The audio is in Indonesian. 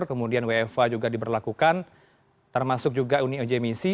kemudian wfa juga diberlakukan termasuk juga uni uji emisi